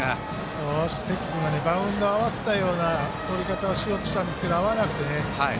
少し関君がバウンドを合わせたようなとり方をしたんですけど合わなくて。